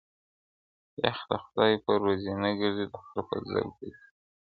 o يخ د خداى په روى نه گرځي، د خره په ځل گرځي٫